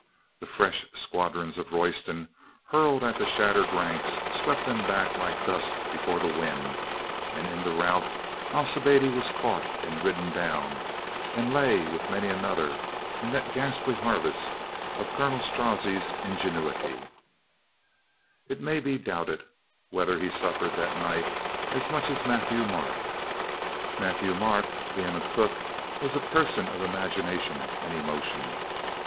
The fresh squadrons Royston hurled at the shattered ranks swept them back like dust before the wind, and in the rout Alcibiade was caught and ridden down and lay with many another in that ghastly harvest of Colonel Strozzi's ingenuity. 384 COLONEL GREATHEART It may be doubted whether he suffered that night as much as Matthieu Marc. Matthieu Marc, being a cook, was a person of imagination and emotion.